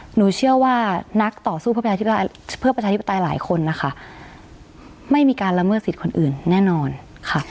หนูเชื่อว่านักต่อสู้เพื่อประชาธิปไตยหลายคนนะคะไม่มีการละเมิดสิทธิ์คนอื่นแน่นอนค่ะ